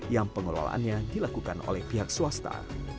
yang pengelolaannya dilakukan oleh pihak swasta